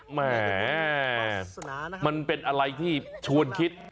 แหมมันเป็นอะไรที่ชวนคิด